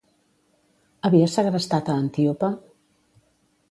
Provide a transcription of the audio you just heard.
Havia segrestat a Antíope?